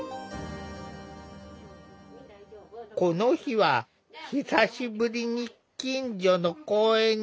この日は久しぶりに近所の公園にお出かけだ。